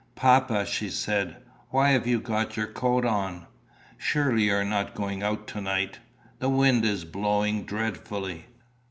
"Papa," she said, "why have you got your coat on? Surely you are not going out to night. The wind is blowing dreadfully."